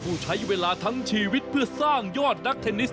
ใช้เวลาทั้งชีวิตเพื่อสร้างยอดนักเทนนิส